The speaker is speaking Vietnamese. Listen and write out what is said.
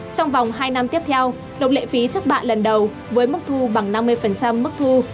trong vòng hai năm tiếp theo nộp lệ phí trước bạ lần đầu với mức thu bằng năm mươi mức thu